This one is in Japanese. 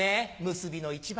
結びの一番。